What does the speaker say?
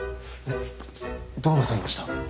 どうなさいました？